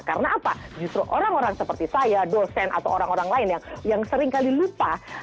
karena apa justru orang orang seperti saya dosen atau orang orang lain yang sering kali lupa